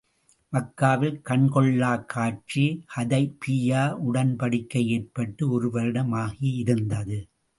மக்காவில் கண் கொள்ளாக் காட்சி ஹுதைபிய்யா உடன்படிக்கை ஏற்பட்டு ஒரு வருடம் ஆகி இருந்தது.